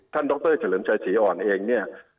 ท่านดรฉลนชายศรีอ่อนเองเนี่ย